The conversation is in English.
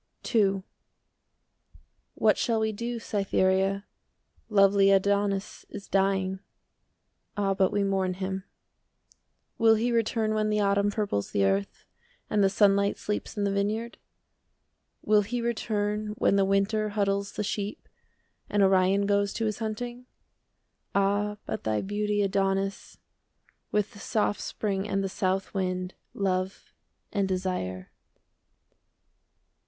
II What shall we do, Cytherea? Lovely Adonis is dying. Ah, but we mourn him! Will he return when the Autumn Purples the earth, and the sunlight 5 Sleeps in the vineyard? Will he return when the Winter Huddles the sheep, and Orion Goes to his hunting? Ah, but thy beauty, Adonis, 10 With the soft spring and the south wind, Love and desire!